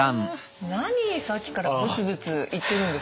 何さっきからブツブツ言ってるんですか？